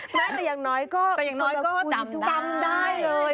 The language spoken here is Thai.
แต่อย่างน้อยก็จำได้เลย